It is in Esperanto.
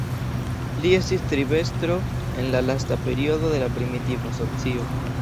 Li estis tribestro en la lasta periodo de la primitiva socio.